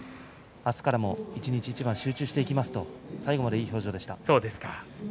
明日からも一日一番集中していきますと最後までいい表情でした。